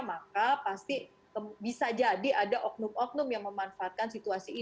maka pasti bisa jadi ada oknum oknum yang memanfaatkan situasi ini